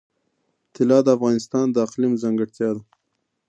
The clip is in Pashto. طلا د افغانستان د اقلیم ځانګړتیا ده.